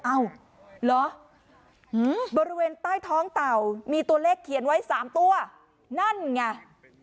เอ้าเหรอบริเวณใต้ท้องเต่ามีตัวเลขเขียนไว้๓ตัวนั่นไง